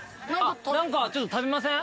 何かちょっと食べません？